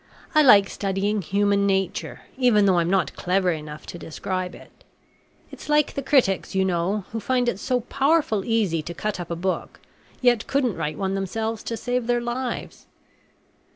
"I like studying human nature, even though I'm not clever enough to describe it. It's like the critics, you know, who find it so powerful easy to cut up a book, yet couldn't write one themselves to save their lives.